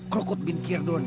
krukut bin kirdun